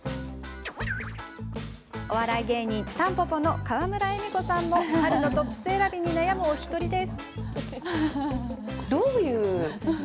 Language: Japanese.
お笑い芸人、たんぽぽの川村エミコさんも春のトップス選びに悩むお一人です。